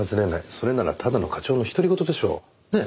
それならただの課長の独り言でしょう。ねえ？